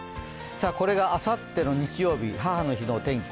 これがあさっての日曜日、母の日のお天気。